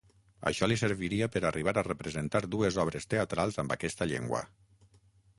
Això li serviria per arribar a representar dues obres teatrals amb aquesta llengua.